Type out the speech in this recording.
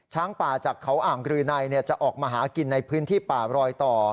ช้างป่าจากเขาอ่างรืนัยจะออกมาหากินในพื้นที่ป่ารอยต่อ